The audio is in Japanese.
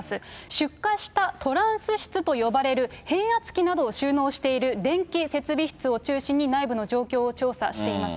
出火したトランス室と呼ばれる変圧器などを収納している電気設備室を中心に内部の状況を調査しています。